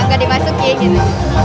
kenapa kamu tidak masuk ke tempat ini